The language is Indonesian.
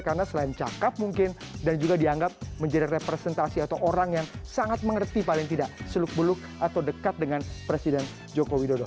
karena selain cakep mungkin dan juga dianggap menjadi representasi atau orang yang sangat mengerti paling tidak seluk beluk atau dekat dengan presiden jokowi dodo